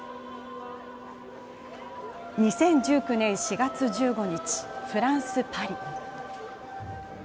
２０１９年４月１５日フランス・パリ。